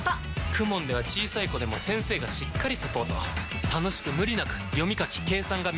ＫＵＭＯＮ では小さい子でも先生がしっかりサポート楽しく無理なく読み書き計算が身につきます！